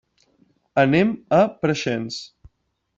Anem a Preixens.